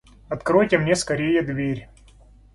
Откройте мне скорее дверь.